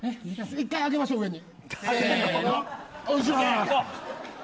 １回、上げましょううえに。